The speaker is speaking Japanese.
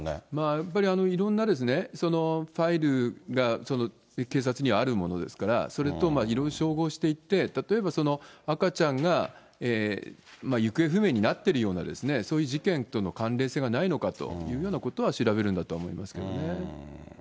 やっぱりいろんなファイルが、警察にはあるものですから、それといろいろ照合していって、例えば、赤ちゃんが行方不明になっているような、そういう事件との関連性がないのかというようなことは調べるんだとは思いますけどね。